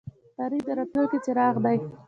تاریخ د راتلونکي څراغ دی